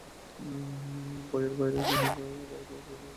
বইয়ের বাইরে অনেকে আবার বিবেচেনা করেন বন্ধুর খুব প্রয়োজনীয় কিছু দরকার কিনা।